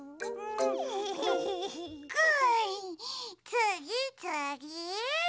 つぎつぎ！